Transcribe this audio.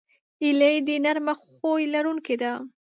هیلۍ د نرمه خوی لرونکې ده